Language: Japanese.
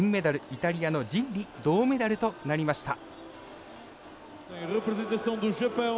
イタリアのジッリ銅メダルとなりました。